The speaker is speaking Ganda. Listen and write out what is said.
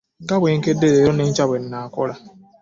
Nga bwe nakedde leero n'enkya bwe nnaakola.